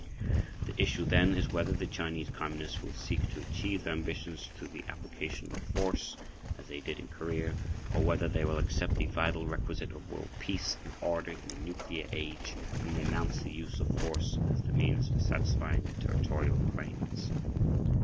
[pg 22] The issue, then, is whether the Chinese Communists will seek to achieve their ambitions through the application of force, as they did in Korea, or whether they will accept the vital requisite of world peace and order in a nuclear age and renounce the use of force as the means for satisfying their territorial claims.